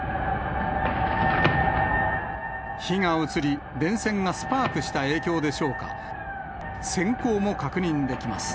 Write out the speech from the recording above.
火が移り、電線がスパークした影響でしょうか、せん光も確認できます。